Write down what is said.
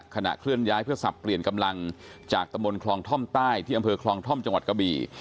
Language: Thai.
เคลื่อนย้ายเพื่อสับเปลี่ยนกำลังจากตะมนต์คลองท่อมใต้ที่อำเภอคลองท่อมจังหวัดกะบี่